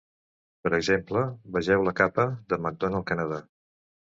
Per exemple, vegeu la capa de Macdonald, Canadà.